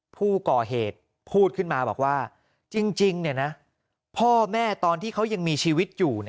ผู้ก่อเหตุพูดขึ้นมาบอกว่าจริงพ่อแม่ตอนที่เขายังมีชีวิตอยู่